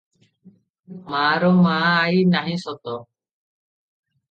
ମାର ମା ଆଇ ନାହିଁ ସତ!